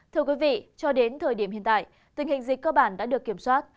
thưa quý vị cho đến thời điểm hiện tại tình hình dịch cơ bản đã được kiểm soát